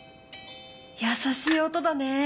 優しい音だね。